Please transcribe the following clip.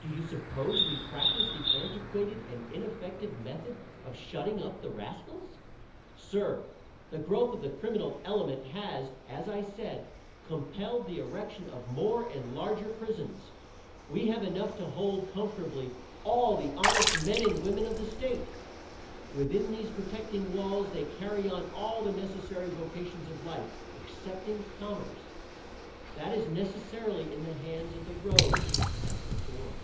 Do you suppose we practice the antiquated and ineffective method of shutting up the rascals? Sir, the growth of the criminal element has, as I said, compelled the erection of more and larger prisons. We have enough to hold comfortably all the honest men and women of the state. Within these protecting walls they carry on all the necessary vocations of life excepting commerce. That is necessarily in the hands of the rogues, as before."